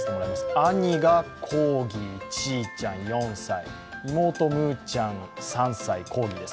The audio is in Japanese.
兄がコーギーのちいちゃん４歳、妹むーちゃん３歳、コーギーです。